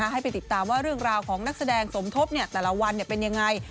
ให้ไปติดตามว่าเรื่องราวของนักแสดงสมทบแต่ละวันเป็นยังไง